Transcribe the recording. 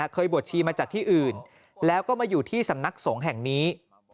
เคยบวชชีมาจากที่อื่นแล้วก็มาอยู่ที่สำนักสงฆ์แห่งนี้